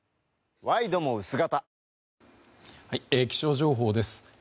気象情報です。